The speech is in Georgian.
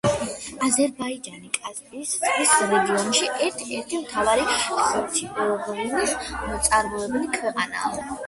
აზერბაიჯანი კასპიის ზღვის რეგიონში ერთ-ერთი მთავარი ღვინის მწარმოებელი ქვეყანაა.